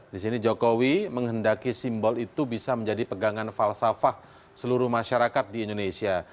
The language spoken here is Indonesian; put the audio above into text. di sini jokowi menghendaki simbol itu bisa menjadi pegangan falsafah seluruh masyarakat di indonesia